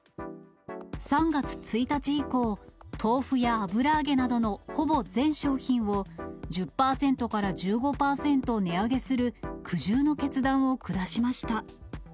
３月１日以降、豆腐や油揚げなどのほぼ全商品を、１０％から１５％値上げする苦渋の決断を下しました。